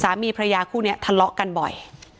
สามีภรรยาคู่เนี้ยทะเลาะกันบ่อย